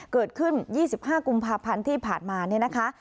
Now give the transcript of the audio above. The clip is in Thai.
เกิดขึ้น๒๕กุมภาพันธ์ที่ผ่านมาเนี่ยนะคะ